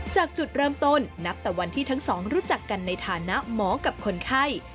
จากจุดเริ่มต้นนับแต่วันที่ทั้งสองรู้จักกันในฐานะหมอกับคนไข้